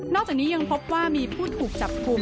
จากนี้ยังพบว่ามีผู้ถูกจับกลุ่ม